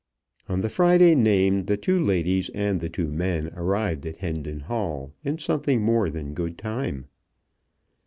On the Friday named the two ladies and the two men arrived at Hendon Hall in something more than good time.